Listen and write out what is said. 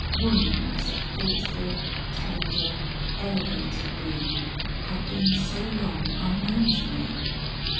Woman as a thoughtful, tender, elevated being had been so long unknown to me!